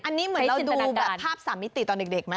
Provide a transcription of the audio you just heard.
อันนี้เหมือนเราดูแบบภาพสามมิติตอนเด็กไหม